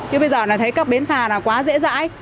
chứ bây giờ là thấy các bến phà là quá dễ dãi